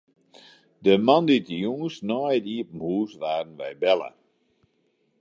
De moandeitejûns nei it iepen hús waarden wy belle.